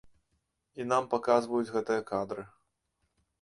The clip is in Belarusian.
І нам паказваюць гэтыя кадры.